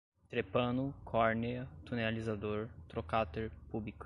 trepano, córnea, tunelizador, trocater, púbica